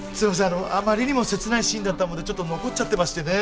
あのあまりにも切ないシーンだったもんでちょっと残っちゃってましてね。